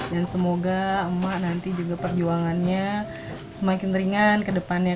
dan semoga mak nanti juga perjuangannya semakin ringan ke depannya